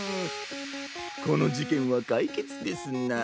このじけんはかいけつですな。